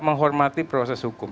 menghormati proses hukum